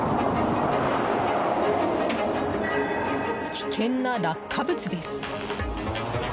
危険な落下物です。